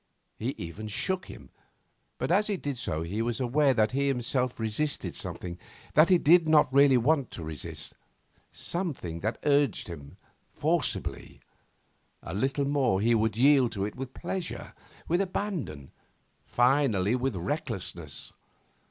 He even shook him. But as he did so he was aware that he himself resisted something that he did not really want to resist, something that urged him forcibly; a little more and he would yield to it with pleasure, with abandon, finally with recklessness.